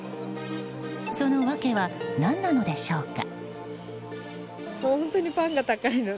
その訳は何なのでしょうか。